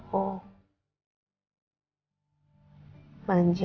aku mau ngejadang